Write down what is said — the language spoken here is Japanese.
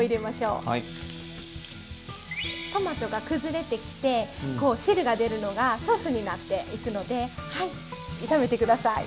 トマトが崩れてきてこう汁が出るのがソースになっていくので炒めて下さい。